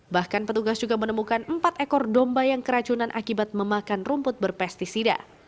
bahkan petugas juga menemukan empat ekor domba yang keracunan akibat memakan rumput berpesticida